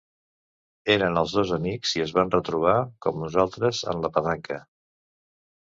Eren els dos amics i es van retrobar, com nosaltres, en la petanca...